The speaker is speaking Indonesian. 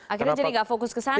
akhirnya jadi gak fokus ke sana